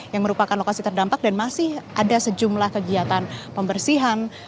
yang merupakan lokasi terdampak dan masih ada sejumlah kegiatan pembersihan